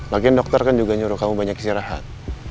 lagi doktor kan juga nyuruh kamu banyak istirahat